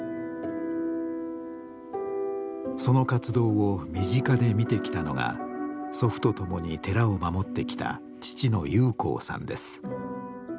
その活動を身近で見てきたのが祖父と共に寺を守ってきた父の裕光さんです。